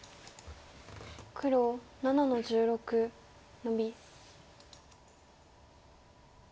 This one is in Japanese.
黒７の十六ノビ。